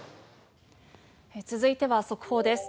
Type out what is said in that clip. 続いては速報です。